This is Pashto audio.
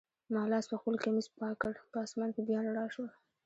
ما لاس پخپل کمیس پاک کړ، په آسمان کي بیا رڼا شول.